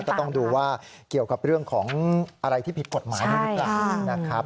ก็ต้องดูว่าเกี่ยวกับเรื่องของอะไรที่ผิดกฎหมายด้วยหรือเปล่านะครับ